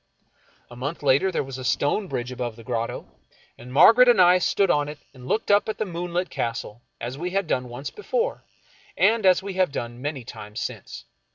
A month later there was a stone bridge above the grotto, and Margaret and I stood on it and looked up at the moonlit Castle, as we had done once before, and as we have done many times since.